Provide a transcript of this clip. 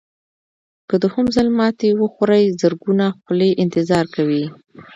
که دوهم ځل ماتې وخورئ زرګونه خولې انتظار کوي.